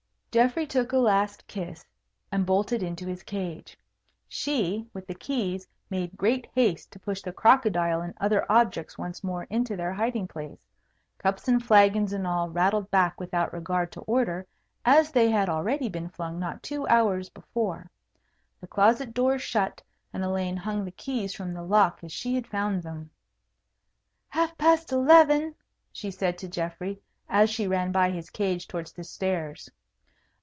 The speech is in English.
Geoffrey took a last kiss, and bolted into his cage. She, with the keys, made great haste to push the crocodile and other objects once more into their hiding place. Cups and flagons and all rattled back without regard to order, as they had already been flung not two hours before. The closet door shut, and Elaine hung the keys from the lock as she had found them. "Half past eleven," she said to Geoffrey, as she ran by his cage towards the stairs.